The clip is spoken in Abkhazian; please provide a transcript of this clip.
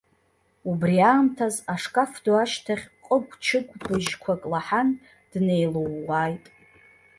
Убри аамҭаз ашкаф ду ашьҭахь ҟыгә-чыгә быжьқәак лаҳан, днеилууааит.